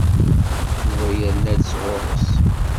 Yuba yerna-d sɣur-s.